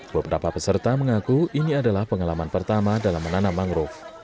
beberapa peserta mengaku ini adalah pengalaman pertama dalam menanam mangrove